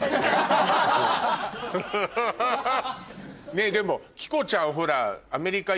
ねぇでも希子ちゃんほら。